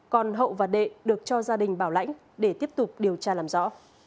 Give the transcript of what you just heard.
còn hậu và đệ được cho gia đình bảo lãnh để tiếp tục điều tra làm rõ